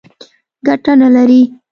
ګټه نه لري.